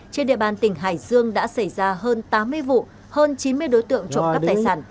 trên địa bàn tỉnh hải dương đã xảy ra hơn tám mươi vụ hơn chín mươi đối tượng trộm cắp tài sản